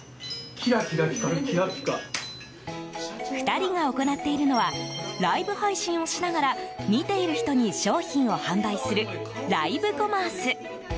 ２人が行っているのはライブ配信をしながら見ている人に商品を販売するライブコマース。